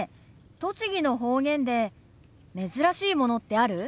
栃木の方言で珍しいものってある？